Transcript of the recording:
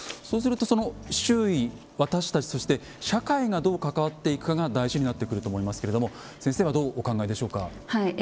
そうするとその周囲私たちそして社会がどう関わっていくかが大事になってくると思いますけれども先生はどうお考えでしょうか？